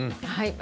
あ。